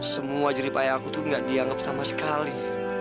semua jerip einer aku itu gak dianggap sama sekali